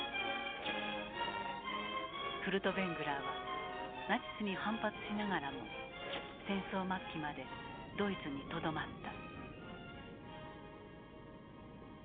フルトヴェングラーはナチスに反発しながらも戦争末期までドイツにとどまった。